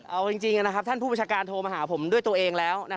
เอาจริงนะครับท่านผู้ประชาการโทรมาหาผมด้วยตัวเองแล้ว